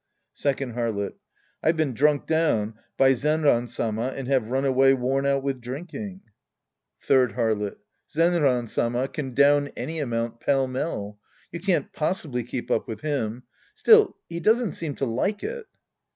Second Harlot. I've been drunk down by Zenran Sama and have run away worn out with drinking. Sc. I The Priest and His Disciples 93 Third Harlot. Zenran Sama can down any amount pellmell. You can't possibly keep up with him. Still, he doesn't seem to like it.